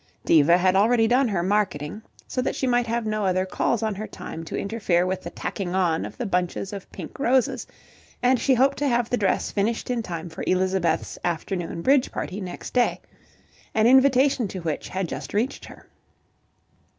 Diva had already done her marketing, so that she might have no other calls on her time to interfere with the tacking on of the bunches of pink roses, and she hoped to have the dress finished in time for Elizabeth's afternoon bridge party next day, an invitation to which had just reached her.